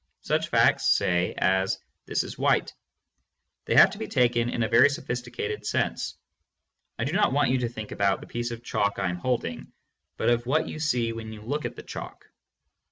Such facts, say, as "This is white." They have to be taken in a very sophisticated sense. I do not want you to think about the piece of chalk I am holding, but of what you see when you look at the chalk.